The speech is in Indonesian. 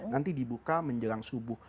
nanti dibuka menjelang subuh